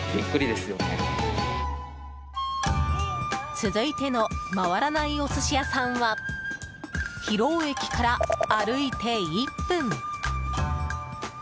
続いての回らないお寿司屋さんは広尾駅から歩いて１分。